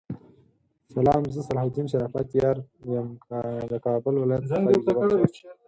سلام زه صلاح الدین شرافت یار یم دکابل ولایت خاکحبار ولسوالی